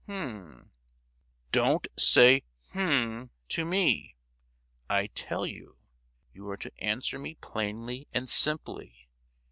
"H'm." "Don't say 'H'm' to me, I tell you. You are to answer me plainly and simply.